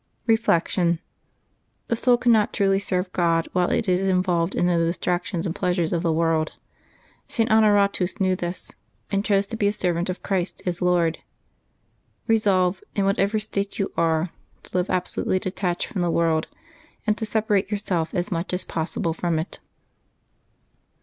Reflection. — The soul cannot truly serve God while it is involved in the distractions and pleasures of the world. St. Honoratus knew this, and chose to be a servant of Christ his Lord. Resolve, in whatever state you are, to live absolutely detached from the world, and to separate yourself as much as possible from it.